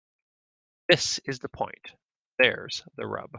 This is the point. There's the rub.